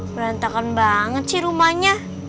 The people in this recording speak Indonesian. berantakan banget sih rumahnya